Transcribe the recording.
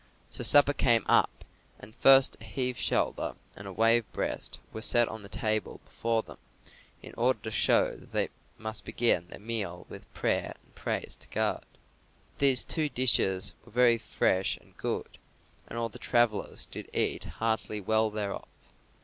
So supper came up; and first a heave shoulder and a wave breast were set on the table before them, in order to show that they must begin their meal with prayer and praise to God. These two dishes were very fresh and good, and all the travellers did eat heartily well thereof.